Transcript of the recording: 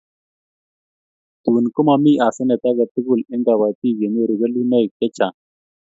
Tun komamie hasenet agetugul eng' kabatik ye nyoru kelunoik chechang